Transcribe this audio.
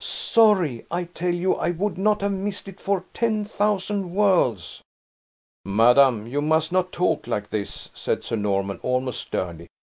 Sorry! I tell you I would not have missed it for ten thousand worlds!" "Madame, you must not talk like this!" said Sir Norman, almost sternly.